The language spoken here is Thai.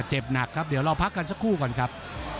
เจ็บหนักครับเดี๋ยวเราพักกันสักครู่ก่อนครับ